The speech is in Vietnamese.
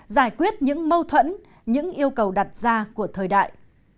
giải quyết những mâu thuẫn những yêu cầu đặt ra của thời đại